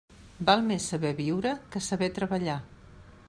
Val més saber viure que saber treballar.